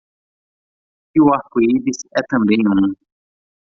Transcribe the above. E o arco-íris é também um.